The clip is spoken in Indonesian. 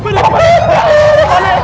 aduh pak d